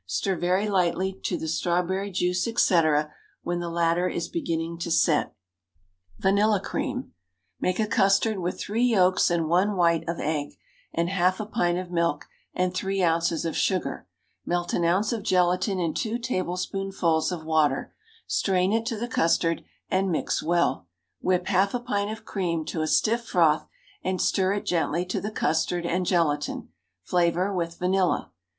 Stir very lightly to the strawberry juice, etc., when the latter is beginning to set. Vanilla Cream. Make a custard with three yolks and one white of egg, and half a pint of milk and three ounces of sugar; melt an ounce of gelatine in two tablespoonfuls of water, strain it to the custard, and mix well; whip half a pint of cream to a stiff froth, and stir it gently to the custard and gelatine; flavor with vanilla.